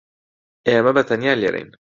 ئێمە بەتەنیا لێرەین.